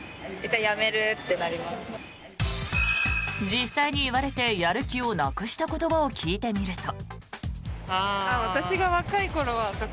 実際に言われてやる気をなくした言葉を聞いてみると。